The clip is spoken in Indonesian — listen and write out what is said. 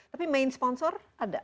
tapi main sponsor ada